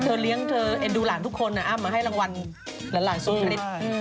เธอเลี้ยงเธอเอ็ดดูหลานทุกคนอะมาให้รางวัลหลานสุขภิกษ์